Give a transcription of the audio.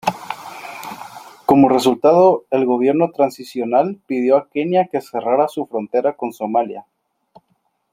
Como resultado, el Gobierno Transicional pidió a Kenia que cerrara su frontera con Somalia.